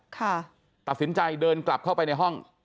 ตัดสินใจเดินกลับเข้าไปในห้อง